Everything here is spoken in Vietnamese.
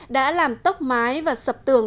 đã làm tốc mái và sập tường